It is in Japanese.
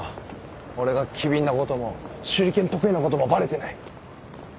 俺が機敏なことも手裏剣得意なこともバレてない。